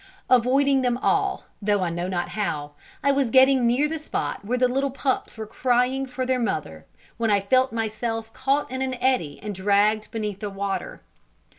Avoiding them all, though I know not how, I was getting near the spot where the little pups were crying for their mother, when I felt myself caught in an eddy and dragged beneath the water.